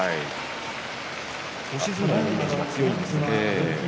押し相撲のイメージが強いんですけどね。